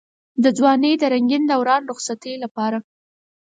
د ځوانۍ د رنګين دوران رخصتۍ لپاره.